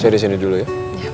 saya disini dulu ya